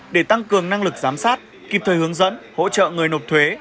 để tăng cường năng lực giám sát kịp thời hướng dẫn hỗ trợ người nộp thuế